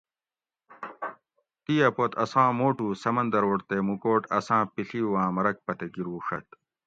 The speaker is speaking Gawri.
تیہ پت اساں موٹو سمندروٹ تے موکوٹ اساں پڷیوآں مرگ پتہ گروڛت